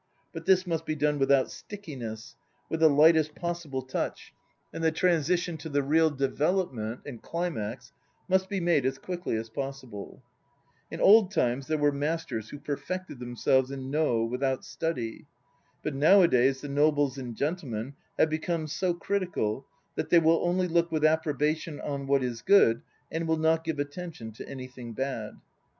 But this must be done without "stickiness," with the lightest possible touch, and the transi tion to the real Development and Climax must be made as quickly as possible. In vjld times there were masters who perfected themselves in Nd without study. But nowadays the nobles and gentlemen have become so critical that they will only look with approbation on what is good and will not give attention to anything bad.